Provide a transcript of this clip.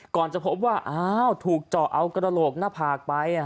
ก่อนจะพบว่าอ้าวถูกเจาะเอากระโหลกหน้าผากไป